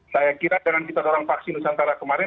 saya kira dengan kita dorong vaksin nusantara kemarin